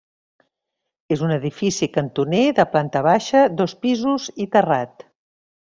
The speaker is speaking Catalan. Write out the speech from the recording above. És un edifici cantoner de planta baixa, dos pisos i terrat.